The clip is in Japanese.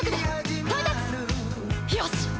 よし！！